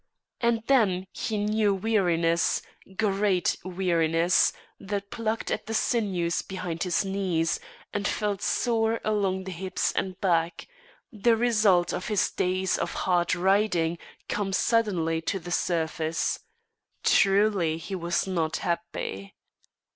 And then he knew weariness, great weariness, that plucked at the sinews behind his knees, and felt sore along the hips and back, the result of his days of hard riding come suddenly to the surface. Truly he was not happy.